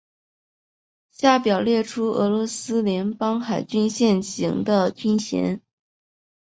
下表列出俄罗斯联邦海军现行的军衔。